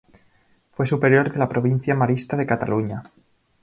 Fue Superior de la Provincia Marista de Cataluña.